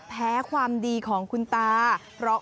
แพ้ความดีของคุณตา